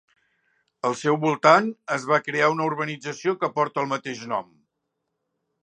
Al seu voltant es va crear una urbanització que porta el mateix nom.